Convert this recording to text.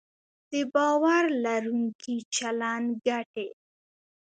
د باور لرونکي چلند ګټې